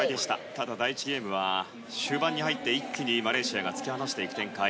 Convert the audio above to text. ただ、第１ゲームは終盤に入って一気にマレーシアが突き放していく展開。